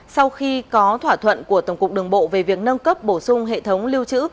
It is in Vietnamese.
sau khi có thỏa thuận của tổng cục đường bộ về việc nâng cấp bổ sung hệ thống lưu trữ